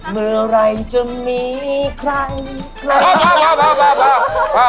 เมื่อไหร่จะมีใครมา